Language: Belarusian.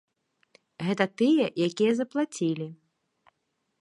Гэта тыя, якія заплацілі.